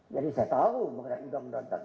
jadi saya tahu mengenai undang undang